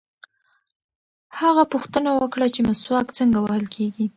هغه پوښتنه وکړه چې مسواک څنګه وهل کېږي.